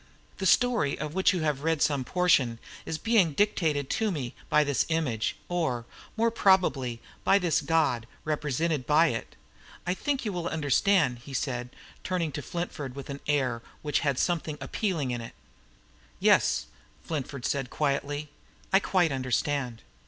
The story of which you have read some portion is being dictated to me by this image, or, more probably, by this god represented by it. I think you will understand," he said, turning to Flintford with an air which had something appealing in it. "Yes," said Flintford quietly, "I quite understand."